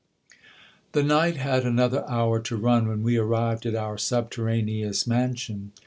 The night had another hour to run when we arrived at our subterraneous man sion.